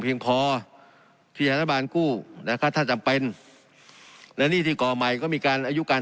พีมพอที่ธนบาลกู้และค่ะถ้าจำเป็นและหนี้ฐีกรใหม่ก็มีการอายุการ